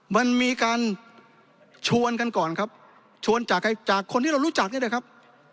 มันมีการชวนกันก่อนครับชวนจากใครจากคนที่เรารู้จักเนี่ยนะครับ